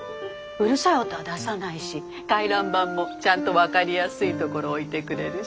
うるさい音は出さないし回覧板もちゃんと分かりやすいところ置いてくれるし。